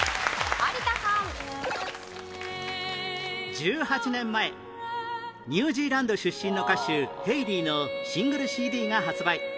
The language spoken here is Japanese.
１８年前ニュージーランド出身の歌手ヘイリーのシングル ＣＤ が発売